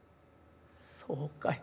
「そうかい。